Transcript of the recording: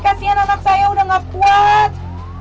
kasian anak saya udah gak kuat